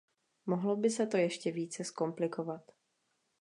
Mohlo by se to ještě více zkomplikovat.